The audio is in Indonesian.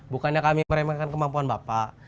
bukannya kami meremehkan kemampuan bapak